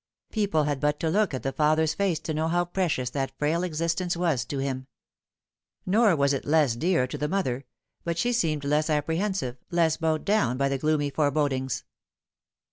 People had but to look at the father's face to know how precious that frail existence was to him. Nor was it less dear to the mother ; but she seemed less apprehensive, less bowed down by gloomy forebodings.